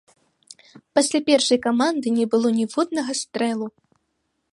Пасля першай каманды не было ніводнага стрэлу.